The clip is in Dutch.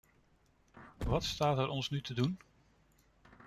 Wat staat er ons nu te doen?